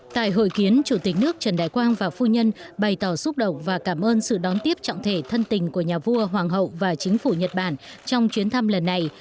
tại hội kiến chủ tịch nước trần đại quang và phu nhân bày tỏ xúc động và cảm ơn sự đón tiếp trọng thể thân tình của nhà vua hoàng hậu và chính phủ nhật bản trong chuyến thăm lần này